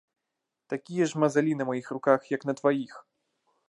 Такія ж мазалі на маіх руках, як на тваіх.